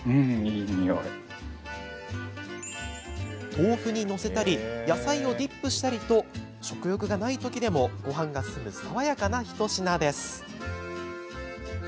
豆腐に載せたり野菜をディップしたりと食欲がないときでもごはんが進む爽やかな一品です。